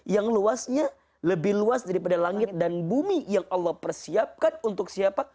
yang luasnya lebih luas daripada langit dan bumi yang allah persiapkan untuk siapa